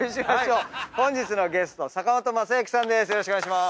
本日のゲスト坂本昌行さんです。